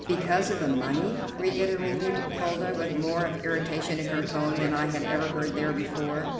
"Because of the money?" reiterated Hilda, with more of irritation in her tone than I had ever heard there before.